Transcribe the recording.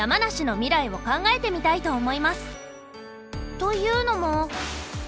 というのも。